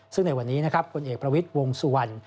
ซึ่งในวันนี้นะครับผลเอกประวิทย์วงสุวรรณ